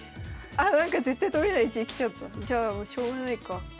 あなんか絶対取れない位置に来ちゃった。じゃあしょうがないか。